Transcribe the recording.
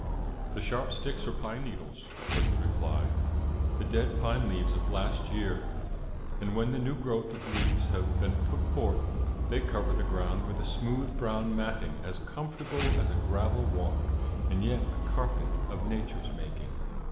"The sharp sticks are pine needles," was the reply "the dead pine leaves of last year; and when the new growth of leaves have been put forth, they cover the ground with a smooth brown matting as comfortable as a gravel walk, and yet a carpet of Nature's making.